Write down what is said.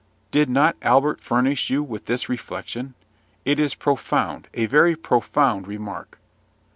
Did not Albert furnish you with this reflection? It is profound, a very profound remark."